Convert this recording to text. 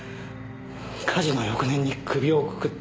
火事の翌年に首をくくった。